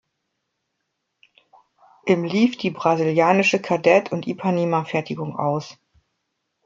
Im lief die brasilianische Kadett- und Ipanema-Fertigung aus.